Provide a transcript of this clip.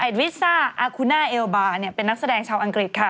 วิซ่าอาคุน่าเอลบาร์เป็นนักแสดงชาวอังกฤษค่ะ